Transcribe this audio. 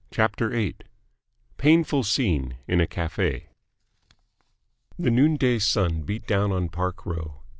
CHAPTER VIII PAINFUL SCENE IN A CAFE The noonday sun beat down on Park Row.